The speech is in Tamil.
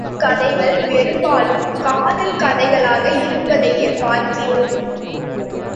சிறுகதைகள் பெரும்பாலும் காதல் கதைகளாக இருப்பதையே பார்க்கிறோம்.